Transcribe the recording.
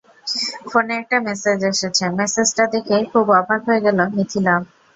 ফোনে একটা মেসেজ এসেছে, মেসেজটা দেখে খুব অবাক হয়ে গেল মিথিলা।